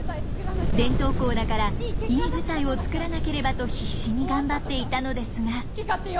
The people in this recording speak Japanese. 伝統校だからいい舞台を作らなければと必死に頑張っていたのですが。